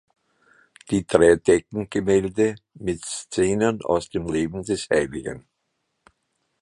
Die drei Deckengemälde mit Szenen aus dem Leben des Hl.